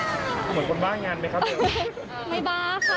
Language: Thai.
เหมือนคนบ่างงานมั้ยคะเบลล่า